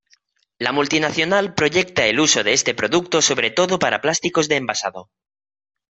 La multinacional proyecta el uso de este producto sobre todo para plásticos de envasado.